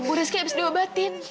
bu rizky habis dibatin